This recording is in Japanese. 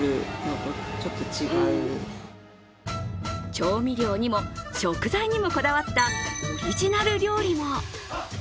調味料にも食材にもこだわったオリジナル料理も。